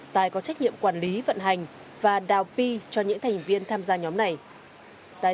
tài có trách nhiệm quản lý vận hành và đào pi cho những thành viên tham gia nhóm này tài